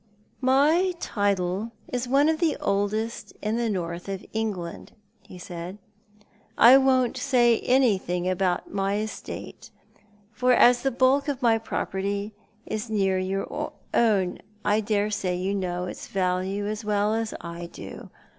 " My title is one of the oldest in the North of England," he said. *' I won't say anything about my estate — for as the bulk of my property is near your own, I daresay you know its value as well as I do.